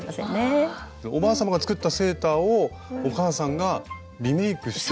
おばあさまが作ったセーターをお母さんがリメークして。